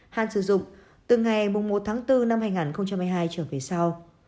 hàn sử dụng từ ngày một tháng bốn năm hai nghìn một mươi hai trở về sau